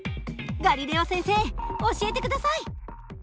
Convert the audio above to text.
ガリレオ先生教えて下さい！